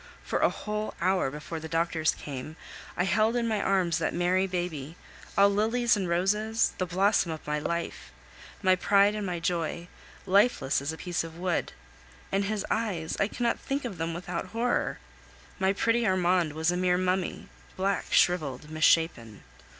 For a whole hour before the doctors came, I held in my arms that merry baby, all lilies and roses, the blossom of my life, my pride, and my joy, lifeless as a piece of wood; and his eyes! I cannot think of them without horror. My pretty Armand was a mere mummy black, shriveled, misshapen.